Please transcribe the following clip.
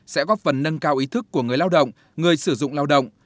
sẽ góp phần nâng cao ý thức của người lao động người sử dụng lao động